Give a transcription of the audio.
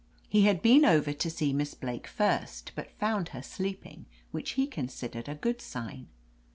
He had been over to see Miss Blake first, but found her sleeping, which he consid ered a good sign.